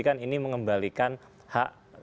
kan ini mengembalikan hak